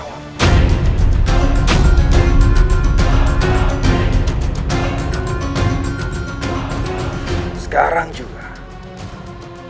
mereka itulah bawah km